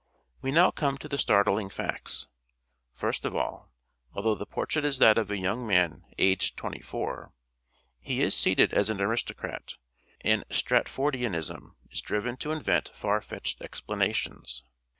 We now come to the startling facts. First of all, although the portrait is that of a young man aged twenty four, he is dressed as an aristocrat, and Strat fordianism is driven to invent far fetched explanations.